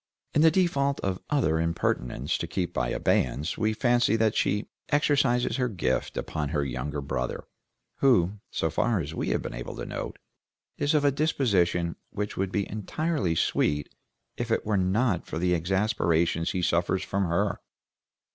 In the default of other impertinents to keep in abeyance we fancy that she exercises her gift upon her younger brother, who, so far as we have been able to note, is of a disposition which would be entirely sweet if it were not for the exasperations he suffers from her.